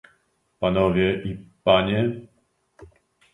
Panowie i panie